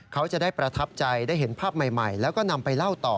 เขาจะได้ประทับใจได้เห็นภาพใหม่แล้วก็นำไปเล่าต่อ